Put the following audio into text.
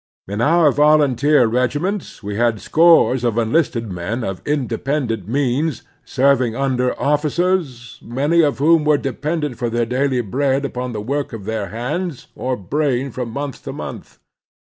In our volunteer regiments we had scores of enlisted men of independent means serving under officers many of whom were dependent for their daily bread upon the work of their hands or brain from month to month.